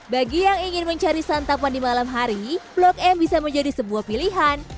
bagi yang ingin mencari santapan di malam hari blok m bisa menjadi sebuah pilihan